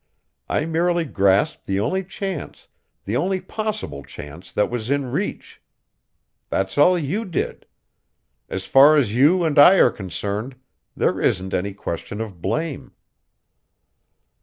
I merely grasped the only chance, the only possible chance that was in reach. That's all you did. As far as you and I are concerned, there isn't any question of blame."